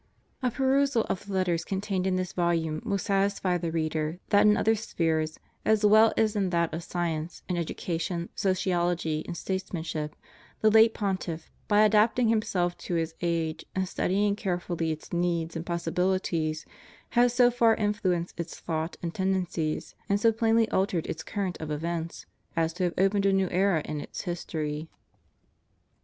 A perusal of the Letters contained in this volume will satisfy the reader that in other spheres as well as in that of science, in education, sociology, and statesmanship, the late Pontiff, by adapt ing himself to his age and studying carefully its needs and possibilities, has so far influenced its thought and tendencies, and so plainly altered its current of events, as to have opened a new era in its history.